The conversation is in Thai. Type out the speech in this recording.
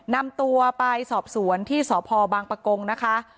นำตัวไปสอบสวนที่สพบางปะกงนะคะ